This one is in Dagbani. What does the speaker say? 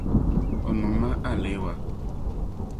O niŋ ma aleewa.